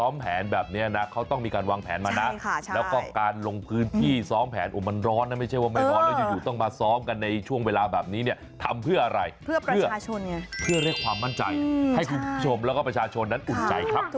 ไม่เกี่ยวไม่เกี่ยวกับชิคกี้พายด้วย